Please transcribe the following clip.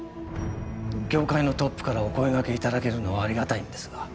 業界のトップからお声がけ頂けるのはありがたいんですが。